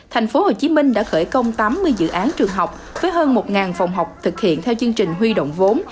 thành phố hồ chí minh đã khởi công tám mươi dự án trường học với hơn một phòng học thực hiện theo chương trình huy động vốn